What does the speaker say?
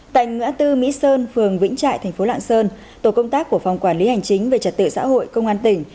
tại ngã tư mỹ sơn phường vĩnh trại thành phố lạng sơn tổ công tác của phòng quản lý hành chính về trật tự xã hội công an tỉnh